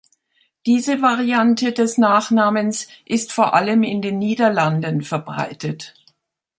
Diese Variante des Nachnamens ist vor allem in den Niederlanden verbreitet.